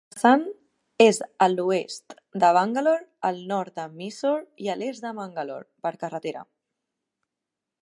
Hassan és a l'oest de Bangalore, al nord de Mysore i a l'est de Mangalore per carretera.